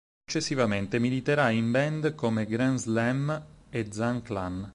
Successivamente militerà in band come Grand Slam e Zan Clan.